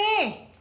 nih makan semua